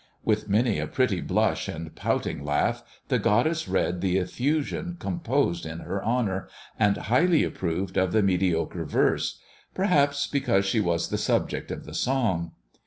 With many a pretty blush and pouting laugh, the goddess read the effusion composed in her honour, and highly approved of the mediocre verse; perhaps because ^he was the subject of the song.